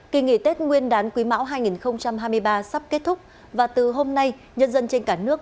kỳ nghỉ tết nguyên đán quý mão hai nghìn hai mươi ba sắp kết thúc và từ hôm nay nhân dân trên cả nước